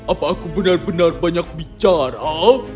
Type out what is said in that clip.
apa aku benar benar banyak bicara